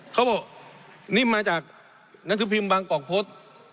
เขาบอกนี่มาจากนักศึกภิมพ์บางกอกพศ